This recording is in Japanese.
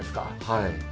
はい。